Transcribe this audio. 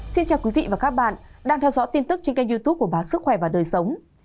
xin chào quý vị và các bạn đang theo dõi tin tức trên kênh youtube của báo sức khỏe và đời sống